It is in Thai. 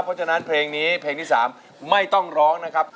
เพราะฉะนั้นเพลงนี้ไว้ต้องร้องนะครับ